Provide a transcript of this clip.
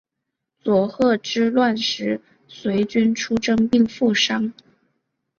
佐贺之乱时随军出征并负伤。